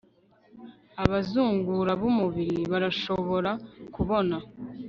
Abazungura bumubiri barashobora kubona